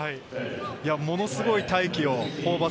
ものすごい大器をホーバス